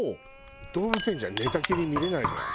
動物園じゃ寝たキリン見れないじゃない。